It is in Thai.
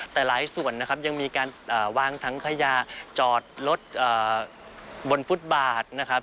แต่หลายส่วนนะครับยังมีการวางถังขยะจอดรถบนฟุตบาทนะครับ